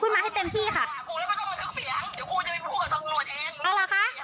พูดมาให้เต็มที่ค่ะพูดไม่ต้องมาทึกเสียงเดี๋ยวกูจะไปพูดกับส่องรวดเอง